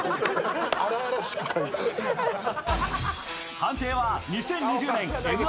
判定は２０２０年「Ｍ−１」